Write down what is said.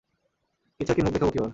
কিছাকে মুখ দেখাবো কীভাবে?